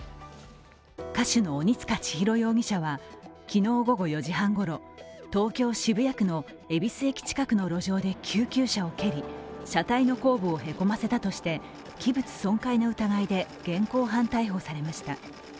歌手の鬼束ちひろ容疑者は昨日午後４時半ごろ東京・渋谷区の恵比寿駅近くの路上で救急車を蹴り車体の後部をへこませたとして器物損壊の疑いで現行犯逮捕されました。